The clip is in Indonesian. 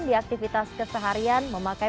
diaktivitas keseharian memakai